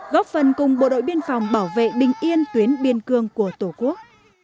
góp phần cùng bộ đội biên phòng bảo vệ bình yên tuyến biên cương của tổ quốc